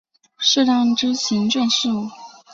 适当之行政事务